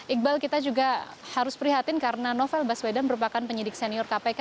iqbal kita juga harus prihatin karena novel baswedan merupakan penyidik senior kpk